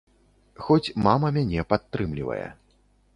Хоць мама мяне падтрымлівае.